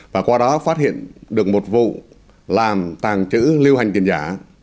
và qua đó phát hiện được một vụ làm tàng trữ lưu hành tiền giả